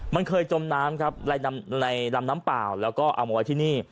มันเคยจมน้ำครับในลำน้ำเปล่าแล้วก็เอามาไว้ที่นี่